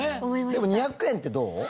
でも２００円ってどう？